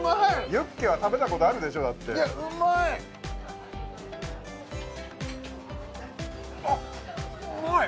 ユッケは食べたことあるでしょいやうまーいあっうまい！